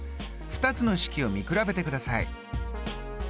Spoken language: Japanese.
２つの式を見比べてください。